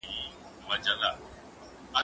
زه پرون سبزېجات خورم!؟